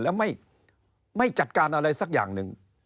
แล้วไม่จัดการอะไรสักอย่างหนึ่ง